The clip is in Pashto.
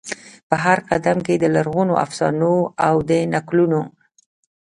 په هرقدم کې د لرغونو افسانو او د نکلونو،